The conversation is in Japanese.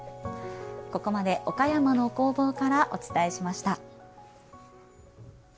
ここまで岡山の工房からお伝えしました。